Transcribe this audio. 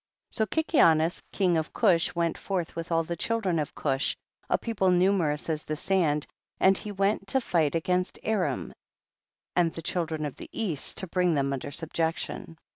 2. So Kikianus king of Cush went forth with all the children of Cush, a people numerous as the sand, and he went to fight against Aram and the children of the east, to bring them under subjection.